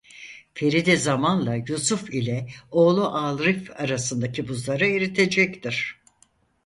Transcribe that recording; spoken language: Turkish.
Feride zamanla Yusuf ile oğlu Arif arasındaki buzları eritecektir.